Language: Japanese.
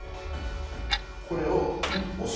これを押す。